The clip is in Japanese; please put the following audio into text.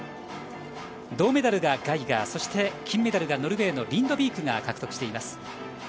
銅メダルがガイガー金メダルがノルウェーのリンドビークが獲得しています。